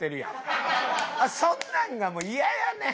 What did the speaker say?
そんなんがもう嫌やねん。